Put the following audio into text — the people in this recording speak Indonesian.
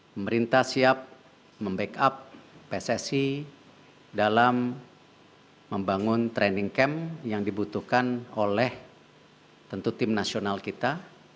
pemerintah siap membackup pssi dalam membangun training camp yang dibutuhkan oleh tentu tim nasional kita